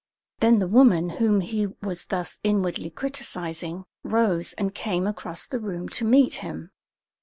Then the woman whom he was thus inwardly criticising rose and came across the room to meet him.